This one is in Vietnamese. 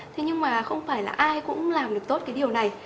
thế nhưng mà không phải là ai cũng làm được tốt cái điều này